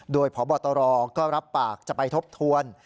โดยพบตรก็รับปากจะไปทบทวน